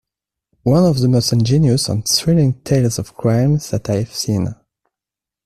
One of the most ingenious and thrilling tales of crime that I have seen.